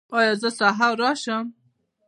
ایا زه سهار راشم؟